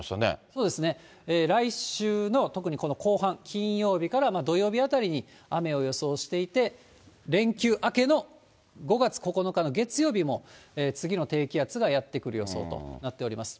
そうですね、来週の特にこの後半、金曜日から土曜日あたりに雨を予想していて、連休明けの５月９日の月曜日も、次の低気圧がやって来る予想となっております。